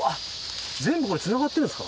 全部これ繋がってるんですか？